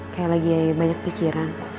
kayak lagi banyak pikiran